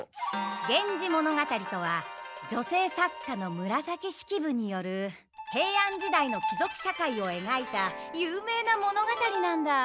「源氏物語」とは女性作家の紫式部による平安時代の貴族社会をえがいた有名な物語なんだ。